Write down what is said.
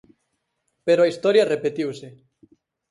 Pero a historia repetiuse.